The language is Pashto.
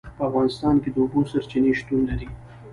په افغانستان کې د اوبو سرچینې شتون لري.